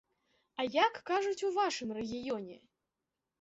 А як кажуць у вашым рэгіёне?